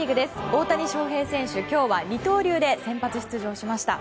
大谷翔平選手、今日は二刀流で先発出場しました。